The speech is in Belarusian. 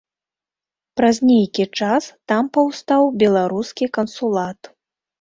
Праз нейкі час там паўстаў беларускі кансулат.